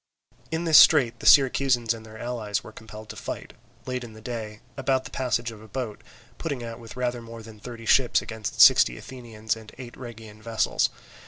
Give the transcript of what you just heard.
In this strait the Syracusans and their allies were compelled to fight, late in the day, about the passage of a boat, putting out with rather more than thirty ships against sixteen Athenian and eight Rhegian vessels.